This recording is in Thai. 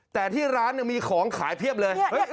แต่ที่ร้านมีของขายเพียบเลย